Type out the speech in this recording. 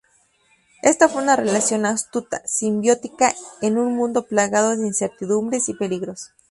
Esta fue una relación astuta, simbiótica en un mundo plagado de incertidumbres y peligros.